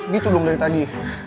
gitu dong dari tadi